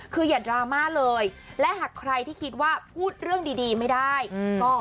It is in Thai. คืออย่าดราม่าเลยและหากใครที่คิดว่าพูดเรื่องดีดีไม่ได้ก็